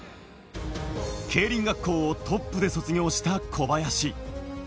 競輪学校をトップで卒業した小林。